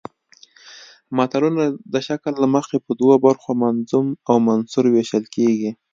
متلونه د شکل له مخې په دوو برخو منظوم او منثور ویشل کیږي